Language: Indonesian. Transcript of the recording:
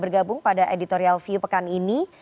bergabung pada editorial view pekan ini